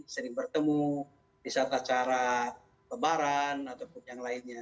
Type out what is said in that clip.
sering bertemu di saat acara lebaran ataupun yang lainnya